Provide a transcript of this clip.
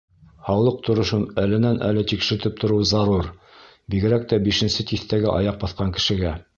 Һаулыҡ торошон әленән-әле тикшертеп тороу зарур, бигерәк тә бишенсе тиҫтәгә аяҡ баҫҡан кешегә.